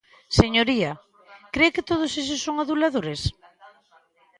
Señoría, ¿cre que todos estes son aduladores?